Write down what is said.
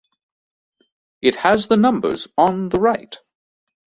It has the numbers on the right.